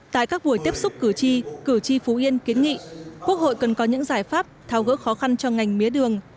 tại các buổi tiếp xúc cử tri cử tri phú yên kiến nghị quốc hội cần có những giải pháp thao gỡ khó khăn cho ngành mía đường